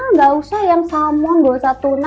nggak usah yang salmon nggak usah tuna